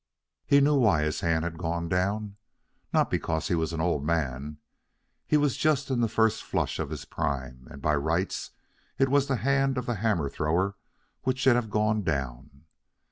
He knew why his hand had gone down. Not because he was an old man. He was just in the first flush of his prime, and, by rights, it was the hand of the hammer thrower which should have gone down.